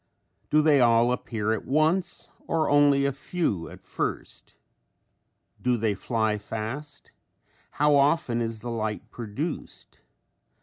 Do they all appear at once or only a few at first? Do they fly fast? How often is the light produced?